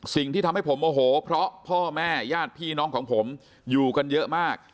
สิ่งที่ทำให้ผมโมโหเพราะพ่อแม่ญาติพี่น้องของผมอยู่กันเยอะมาก